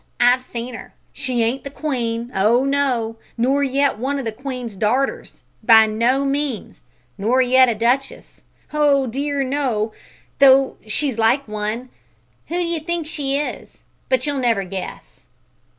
I've seen her! She ain't the Queen oh no; nor yet one o' the Queen's darters by no means; nor yet a duchess oh dear no, though she's like one. Who d'ye think she is? But you'll never guess."